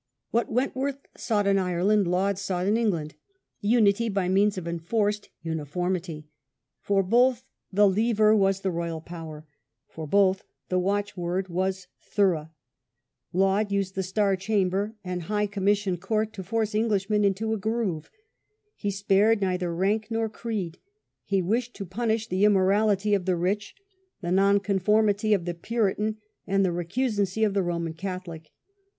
What Wentworth sought in Ireland Laud sought in England — unity by means of enforced uniformity. For TheLaudian t)oth the lever was the Royal power. For system. both the watchword was " thorough ". Laud used the Star Chamber and High Commission Court to force Englishmen into a groove. He spared neither rank nor creed. He wished to punish the immorality of the rich, the nonconformity of the Puritan, and the recusancy of the Roman Catholic.